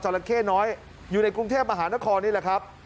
จังหลังเทงน้อยอยู่ในกรุงเทพฯอาหารกรนี่แหละครับ